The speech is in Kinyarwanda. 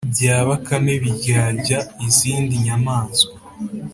bya bakame biryarya izindi nyamaswa.